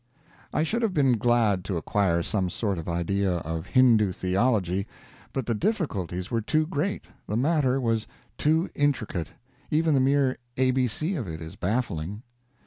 I should have been glad to acquire some sort of idea of Hindoo theology, but the difficulties were too great, the matter was too intricate. Even the mere A, B, C of it is baffling.